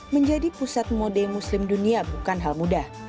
menjadi pusat mode muslim dunia bukan hal mudah